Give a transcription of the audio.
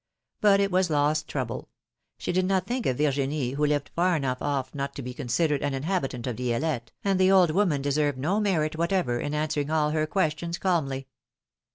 But it was lost trouble; she did not think of Virginie, who lived far enough off not to be considered an inhab itant of Di6lette, and the old woman deserved no merit whatever in answering all her questions calmly.